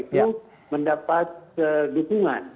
itu mendapat dukungan